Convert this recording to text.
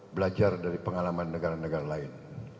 belajar dari pengalaman negara negara lain